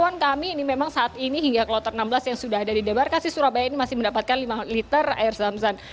pantauan kami ini memang saat ini hingga kloter enam belas yang sudah ada di debarkasi surabaya ini masih mendapatkan lima liter air zam zam